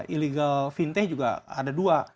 illegal fintech juga ada dua